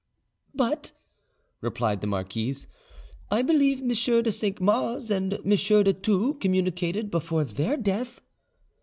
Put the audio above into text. "But," replied the marquise, "I believe M. de Cinq Mars and M. de Thou communicated before their death."